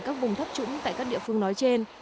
các vùng thấp trũng tại các địa phương nói trên